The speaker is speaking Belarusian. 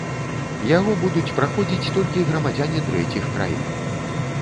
Яго будуць праходзіць толькі грамадзяне трэціх краін.